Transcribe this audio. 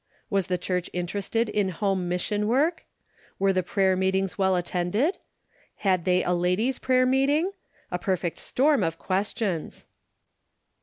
Was the church interested in home mission work ? Were the prayer meetings well attended ? Had they a ladies' prayer meeting ? A perfect storm of questions.